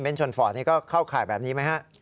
ชนฟอร์ดนี่ก็เข้าข่ายแบบนี้ไหมฮะ